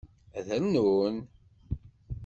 Ad rnun?